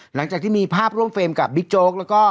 หลังจากที่มีภาพร่วมเฟรมกับบิ๊กโจ๊กแล้วก็